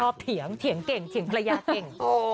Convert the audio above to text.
เถียงเถียงเก่งเถียงภรรยาเก่ง